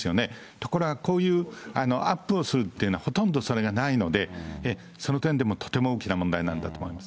ところがこういうアップをするっていうのは、ほとんどそれがないので、その点でもとても大きな問題なんだと思います。